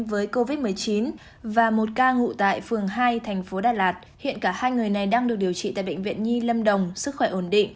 với covid một mươi chín và một ca ngụ tại phường hai thành phố đà lạt hiện cả hai người này đang được điều trị tại bệnh viện nhi lâm đồng sức khỏe ổn định